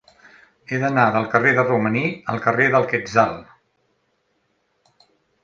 He d'anar del carrer de Romaní al carrer del Quetzal.